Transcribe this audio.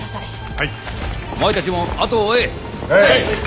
はい。